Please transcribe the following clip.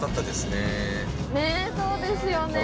ねえそうですよね。